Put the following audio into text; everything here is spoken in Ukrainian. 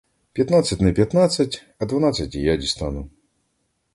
П'ятнадцять не п'ятнадцять, — а дванадцять і я дістану!